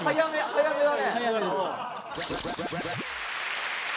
早めだね。